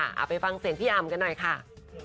เอาไปฟังเสียงพี่อำกันหน่อยค่ะ